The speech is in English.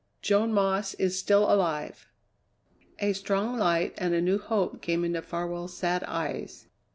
"Joan Moss is still alive." A strong light and a new hope came into Farwell's sad eyes.